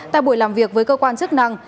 tại buổi làm việc với cơ quan chức năng